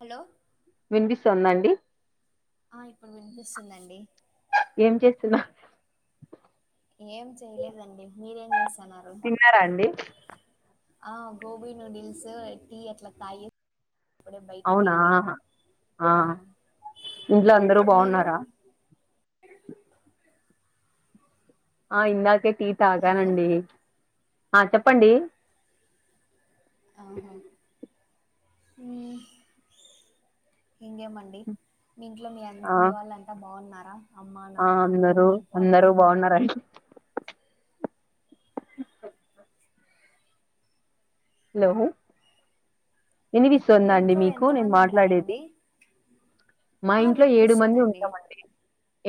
Hello సోనండి ఆ ఇప్పుడు వినిపిస్తుందండి ఏం చేస్తున్నవ్ ఏమ్ చేయలేదండి మీరేం జెస్ తిన్నారాండీ ఆ గోబీ నూడిల్స్ టీ ఎట్లా కాయి ఔనా ఆహ ఆ ఇంట్ల అందరు మీరు బాఉన్నారా ఆ ఇందాకే టీ హలో తాగానండి ఆ చెప్పండి ఆహ ఉమ్ ఇంగే మండి మీ ఇంట్లో మీ అన్ ఆ మీ వాళ్ళంతా బాఉన్నర్ ఆ అందరు అందరు బాఉన్నారన్ హలో మీ వినిపిస్సుందా అండి ఇంట్లో మీకు నేన్ ఎంతమంది మాట్లాడేది ఉంటారండి మా ఆ ఇంట్లో ఏడు మంది వినిపిస్తుందండి ఉంటామండి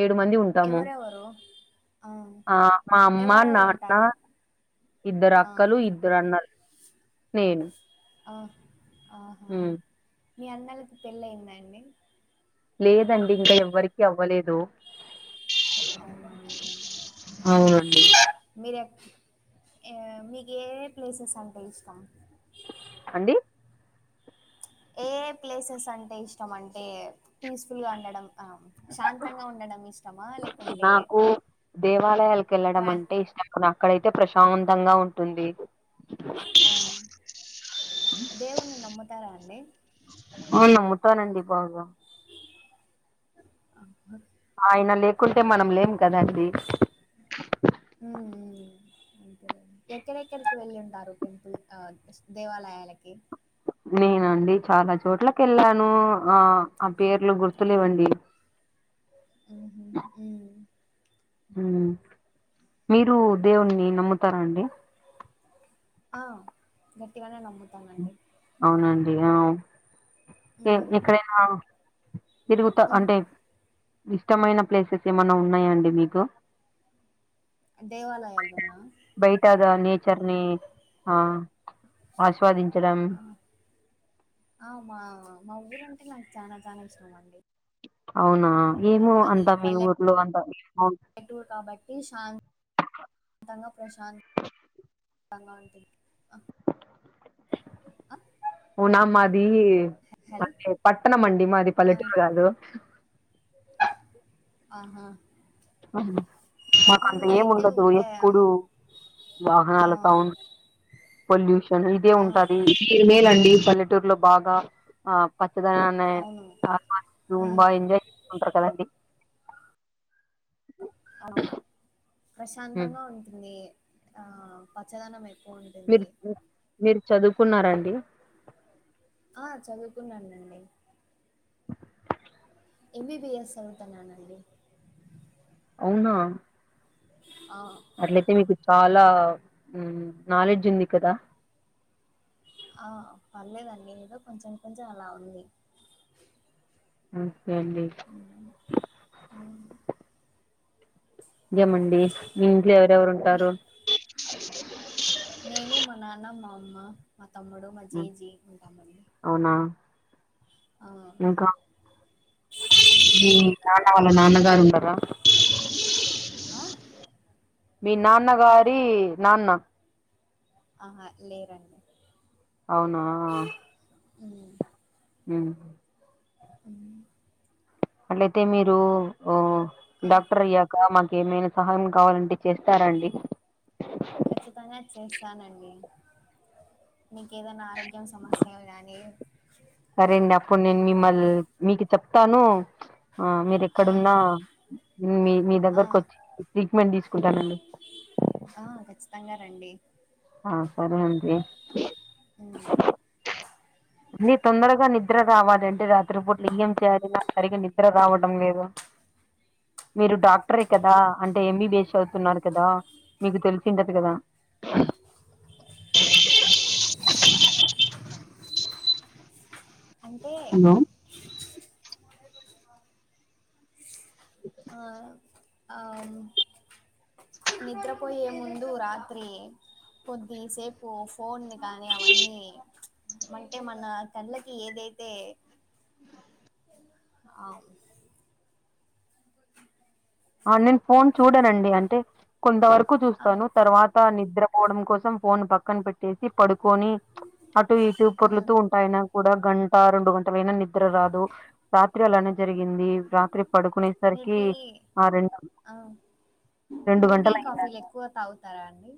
ఏడు మంది ఉంటాము ఎవరెవరు ఆ మా అమ్మ ఎవరెవరు నాన్ న్న ఉంటారు ఆ ఇద్దరక్కలు ఇద్ద్ రన్నల్ నేను ఆ ఆ ఉమ్ మీ అన్నల్క్ పెళ్ళైదండి లేదండి ఇంకా ఎవ్వర్ కీ అవ్వలేదు అవునవునులేండి ఔనండి ఏవ్ మీక్ ఏ ఏ ప్లేసెసంటే ఇష్టం అండి ఏ ఏ ప్లేసెస్ అంటే ఇష్టమంటే పీస్ ఫూల్ గా ఉండడం ఆ శాంతంగా ఉండడం ఇష్టమా లేకుంటే ట్రా దేవాలయాల్కేళ్ళడమంటే ఇష్టం అక్కడైతే ప్రశాంతంగా ఉంటుంది ఆ దేవునీ నమ్ముతారా అండి అ నమ్ముతనండి బాగా అ ఆయన లేకుంటే మనం లేమ్ కదండి ఎక్కరేక్కర్కి వెళ్ళుంటారు టెంపుల్ ఆ దేవాలయాలకి నేనాండి చాలా చోట్లకేళ్ళాను ఆ ఆ పేర్లు గుర్తులేవండి ఉహు ఉమ్ ఉమ్ మీరు దేవున్ని నమ్ముతారాఅండి ఆ గట్టిగానే నమ్ము ఔనండి ఔవ్ ఏ ఉమ్ ఎక్కడైనా తిరుగుతా హ్మ్. అంటేబ్ ఇష్టమైన ప్లేసెస్ ఏమైనా ఉన్నయాండి మీకు దేవాలయాల్లోనా చర్ని ఆ ఆస్వాదించడం ఆ! ఆ మా మా ఊరంటే నాకు చాల చాల ఇష్టం అండి అవునా ఏమో అందా మీ ఊర్లో అంత తంగా ప్రశాంత్ తంగా ఉంటుంది ఆ నా మాది హలో! అంటే పట్టణం అండి మాది ఆ! పల్లెటూరు కాదు అహ ఆ మాకు అంత అయితే ఏముండదు ఊరికే ఎప్పుడు ఆ! ఆ! వాహనాలతోన్ పొల్యూషన్ ఇదే ఉంటది మీరు మేలండి పల్లెటూరులో బాగా ఆ పచ్ పచ్చదనాన్ని అవును. అస్వాదిస్తూ హ్మ్. బా ఎంజాయ్ చేసుకుంటరు కదండి అవును హ్మ్. ప్రశాంతంగా ఉంటుంది ఆ పచ్చదనం అయితే మీరు పోన్టుంది మీరు చదువుకున్నారండి ఆ చదువుకున్నానండి ఎంబిబిఎస్ చదువుతన్నానండి అవ్నా ఆ అట్లయితే మీకు చాలా నాలెడ్జ్ ఉంది కదా ఆ పర్లేదండి ఎదో కొంచెం కొంచెం అలా ఉంది ఓకే అండి ఇంగేమండి మి ఇంట్లో ఎవరెవరు మీ ఉంటారు నేను మా నాన్న మా అమ్మ మా తమ్ముడు మా హ్మ్. జేజీ ఉంటామండి అవునా ఆ ఇంకా మీ నాన్న వాళ్ళ నాన్నగారు ఉండరా ఆ మీ నాన్నగారి నాన్న ఆహా లేరండి అవునా ఉ ఉ అట్లయితే మీరు ఆ డాక్టర్ అయ్యాక మా ఏమైనా సహాయం కావాలంటే చేస్తారాండి ఖచ్చితంగా చేస్తానండి మీకు ఏదైనా ఆరోగ్య ఎం సమస్య ఐన కాని సరే అండి అప్పుడు నేను మిమ్మల్ మీకు చెప్తాను ఆ మీరు ఆ ఎక్కడున్నా మీ మీ ఆ దగ్గరకు వచ్చి ట్రీట్మెంట్ తీసుకుంటానండి ఆ ఖచ్చితంగా రండి ఆ సరే అండి ఉ అని తొందరగా నిద్ర రావాలంటే రాత్రి పూటలు ఏం చేయాలి సరిగ నిద్ర రావడం లేదు మీరు డాక్టరే కదా అంటే ఎంబీబిఎస్ చదువుతున్నారు కదా మీకు తెలిసింటది కదా అంటే హలో ఆ ఆమ్ నిద్రపోయే ముందు రాత్రీ కొద్ది సేపు ఫోన్ గానీ అవన్నీ అంటే మనా కళ్ళకి ఏదైతే ఆ ఆ నేన్ ఫోన్ చూడనండి అంటే కొంత వరకు ఆ చూస్తాను తర్వాత నిద్ర పోవడం కోసం ఫోన్ పక్కన్ పెట్టేసి పడుకోని అటు ఇటు ఉమ్ పొర్లుతూ ఉంటా అయినా కూడా గం ట రొండు గంటలైనా నిద్ర రాదు రాత్రి అలానే జరిగింది. రాత్రి పడుకునే మీరు సరికీ టీ ఆ రెండు మీరు టీ, గంటలు కాఫీలు అయిందండి ఎక్కువ తాగుతారా అండి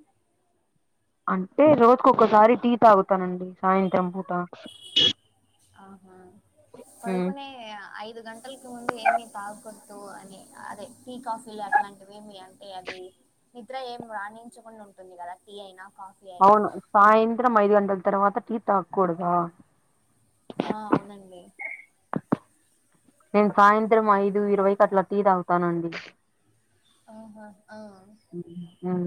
అంటే రోజుక్ ఒక్కసారి టీ తాగుతానండి సాయంత్రం పూట. ఆహ ఉమ్, పడుకునే ఐదు గంటల్కి ముందు ఏమి తగ్కూ అదే టీ కాఫీలు అట్లాంటివేమి అంటే అదీ నిద్ర ఏం రాణించకుండ ఉంటుంది కదా టీ అయినా కాఫీ అయినా అవును సాయంత్రం ఐదు గంటల్ తర్వాత టీ తాగ్కుడదా? ఆ అవునండి నేన్ సాయంత్రం ఐదు ఇరవైకట్లా టీ తాగుతానండి. ఆహా ఆ ఉమ్, ఉమ్.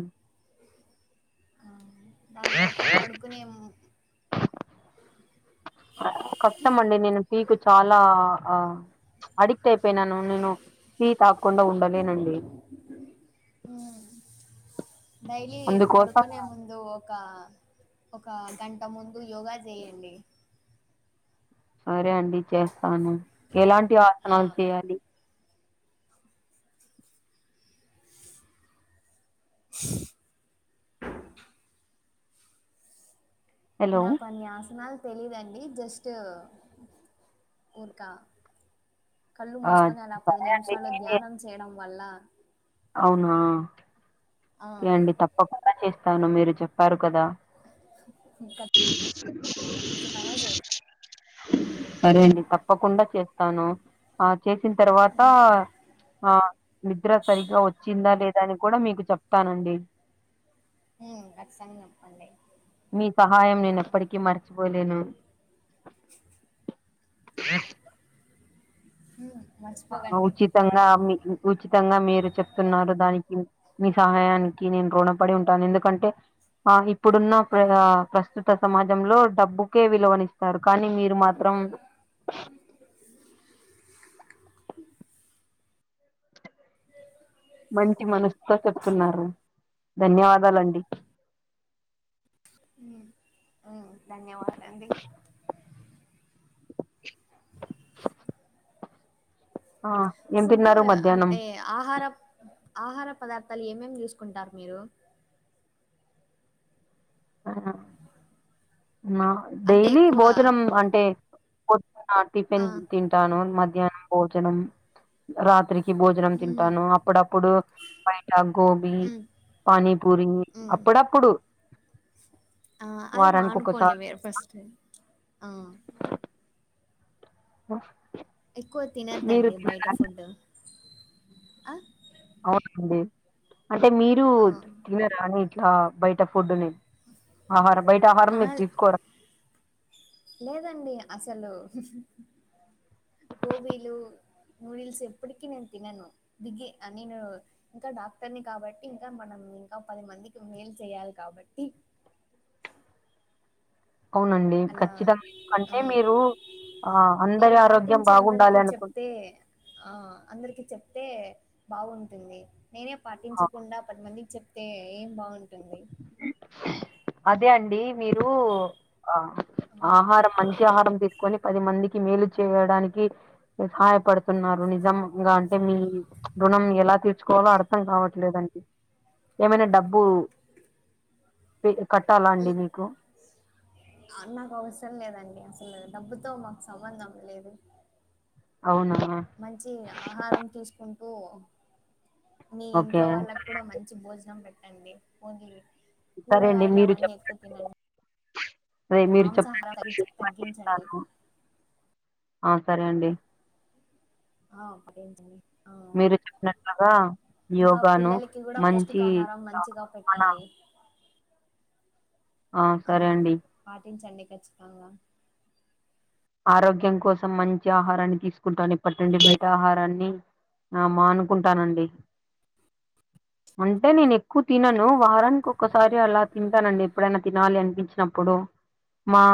దాన్ తర్వాత పడుకునే ము కష్టమండి నేను టీకు చాలా ఆ అడి క్ట్ అపోయినాను నేను టీ తాగకుండ ఉండలేనండి. డైలీ అందుకోసం పడుకునే ముందు ఒకా ఒక గంట ముందు యోగా చేయండి. సరే అండి చేస్తాను, ఎలాంటి ఆ ఆసనాలు చేయాలి? హలో నా కొన్ని ఆసనాల్ తెలీదండి జస్ట్ ఊర్కా కళ్ళు ఆ మూస్కొని అలా పది సరే అండి నిమిషాలు నేనే ధ్యానం చేయడం వల్ల అవునా ఆ ఓకే అండి తప్పకుండా చేస్తాను మీరు చెప్పారు కదా ఖచ్చితంగా చే సరే అండి తప్పకుండా చేస్తాను ఆ చేసిన్ తర్వాతా ఆ నిద్ర సరిగా వచ్చిందా లేదా అని కూడా మీకు చెప్తానండి. మ్ కచ్చితంగ చెప్పండి. మీ సహాయం ఆ నేన్ ఎప్పటికీ మర్చిపోలేను. ఆ హ్ ఆ ఉచితంగా మీకు ఉచితంగా మీరు చెప్తున్నారు దానికి మీ సహాయానికి నేను రుణపడి ఉంటాను. ఎందుకంటే ఆ ఇప్పుడున్న ప్ర ప్రస్తుత సమాజంలో డబ్బుకే విలువనిస్తారు కానీ మీరు మాత్రం స్తున్నారు ధన్యవాదాలండి. మ్ ధన్యవాద అండి ఆ ఏం ఫుడ్ తిన్నారు మధ్యాహ్నం అంటే ఆహారం ఆహార పదార్థాలు ఏమేమి తీసుకుంటారు మీరు నా అంటే డైలీ ఎక్కువ భోజనం అంటే ఆ టిఫిన్ తింటాను మధ్యాహ్నం భోజనం రాత్రి భోజనం హ్మ్. తింటాను అప్పుడప్పుడు బయట గోబీ హ్మ్. పానీపూరి హ్మ్. అప్పుడప్పుడు ఆ అవి వారానికి మానుకోండి ఒకసారి మీరు ఫస్ట్ ఆ ఆ ఎక్కువ తినద్దండి బయట ఫుడ్డు అవునండి అంటే మీరు ఆ! తినరా నీ ఇట్లా బయట ఫుడ్ ని ఆహర బయట ఆహారం అహా! మీరు తీసుకోరా లేదండి. అసలు గోబీలు నూడిల్స్ ఎప్పడికి నేను తినను దిగి ఆ నేను ఇంకా డాక్టర్ ని కాబట్టి ఇంకా మనం నేఇంకా పది మందికి మేల్ చేయాలి కాబట్టి అవునండి అలా ఖచ్చితంగా ఎందుకంటే హ్మ్. మీరు ఆ నేను అందరి ఆరోగ్యం పాటించి అందరికీ బాగుండాలి అనుకు చెప్తే ఆ అందరికి చెప్తే బాగుంటుంది నేనే పాటించకుండా పదిమందికి చెప్ ప్తే ఏం బాగుంటుంది అదే అండి మీరు ఆ ఆ, ఆహారం మంచి ఆహారం తీస్ కొని పది మందికి మేలు చేయడానికి సహాయపడుతున్నారు నిజంగా అంటే మీ రుణం ఎలా తీర్చుకోవాలో అర్థం కావట్లేదండి ఏమైనా డబ్బు ఫి కట్టాలా అండి ఈ- మీకు నాకు అవసరం లేదండి అసలు డబ్బుతో మాకు సంబంధం లేదు అవునా మంచి ఆహారం తీసుకుం మీ ఇంట్లో ఓకే వాళ్ళకు కూడా మంచి భోజనం పెట్టండి హోగి సరే అండి కూరగాయలు అవన్నీ ఎక్కువ తినండి అదే మాంసాహారం మీరుచెప్పినట్టుగా అన్ని తగ్గించ- తగ్గించండి పాటిస్తాను ఆ సరే అండి ఆ ఒకే అండి మీరు చెప్పినట్లుగా ఇంకా యోగాను పిల్లలకి కూడా మంచి పోషికహారం ఆ, మంచిగా మన పెట్టండి ఆ సరే అండి పాటించండి కచ్చితంగా ఆరోగ్యం కోసం మంచి ఆహారాన్ని తీసుకుంటాను ఇప్పటి నుండి బయట ఆహారాన్ని ఆ మానుకుంటానండి అంటే నేను ఎక్కువ తినను వారానికి ఒక్కసారి అలా తింటానండి ఎప్పుడైనా తినాలి అనిపించినప్పుడు మా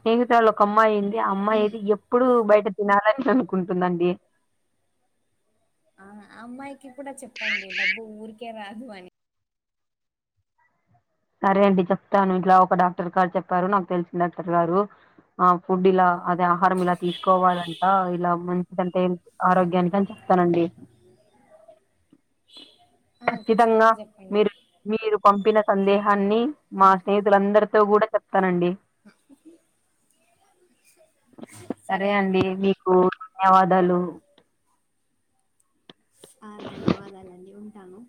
స్నేహితురాలు ఒకమ్ అమ్మాయి ఉంది అమ్మాయి ఐతే ఎప్పుడు బయట తినాలని అనుకుంటుందండి ఆ అమ్మాయికి కూడా చెప్పండి డబ్బు ఊరికే రాదు అని సరే అండి చెప్తాను ఇట్లా ఒక డాక్టర్ గారు చెప్పారు నాకు తెలిసిన డాక్టర్ గారు ఆ ఫుడ్ ఇలా అదే ఆహారం ఇలా తీసుకోవాలంట ఇలా మం గంటే ఆరోగ్యానికి అన్ చెప్తానండి ఆ ఖచ్చితంగా చెప్పండి మీరు మీరు పంపిన సందేహాన్ని మా స్నేహితులందరితో కూడా చెప్తానండి ఆ హ్మ్మ్ సరే అండి మీకు ధన్యవాదాలు ఆ ధన్యవాదాలండి ఉంటాను